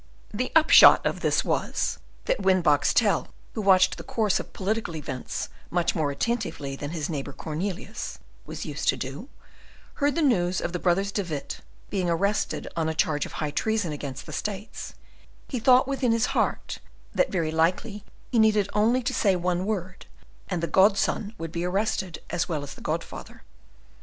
The upshot of all this was that when Boxtel, who watched the course of political events much more attentively than his neighbour Cornelius was used to do, heard the news of the brothers De Witt being arrested on a charge of high treason against the States, he thought within his heart that very likely he needed only to say one word, and the godson would be arrested as well as the godfather.